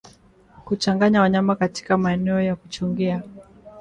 Kuchanganya wanyama katika maeneo ya kuchungia